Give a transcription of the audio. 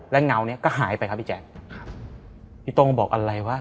และเงานี้ก็หายไปครับพี่แจ๊คพี่โต้งบอกอะไรวะ